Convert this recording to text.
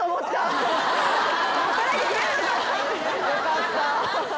よかった。